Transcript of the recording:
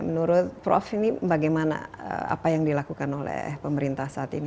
menurut prof ini bagaimana apa yang dilakukan oleh pemerintah saat ini